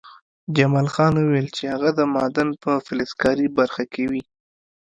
جمال خان وویل چې هغه د معدن په فلزکاري برخه کې وي